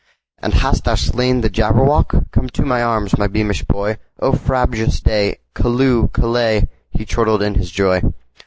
"And hast thou slain the Jabberwock? Come to my arms, my beamish boy!O frabjous day! Callooh! Callay!"He chortled in his joy.